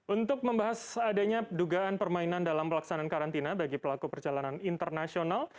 untuk membahas adanya dugaan permainan dalam pelaksanaan karantina bagi pelaku perjalanan internasional